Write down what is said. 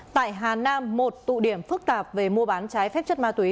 tại hà nam một tụ điểm phức tạp về mua bán trái phép chất ma túy